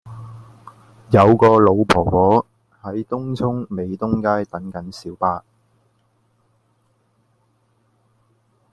有個老婆婆喺東涌美東街等緊小巴